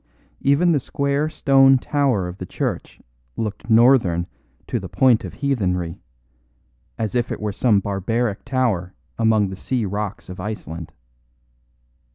Even the square stone tower of the church looked northern to the point of heathenry, as if it were some barbaric tower among the sea rocks of Iceland.